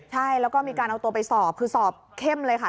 ใช่แล้วก็มีการเอาตัวไปสอบคือสอบเข้มเลยค่ะ